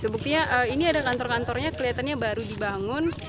buktinya ini ada kantor kantornya kelihatannya baru dibangun